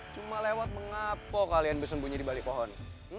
cuma lewat mengapa kalian bersembunyi di balik pohon